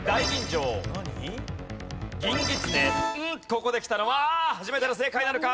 ここできたのは初めての正解になるか？